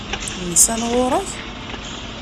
Nsan ɣur-k?